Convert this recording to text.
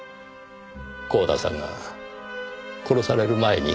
光田さんが殺される前に。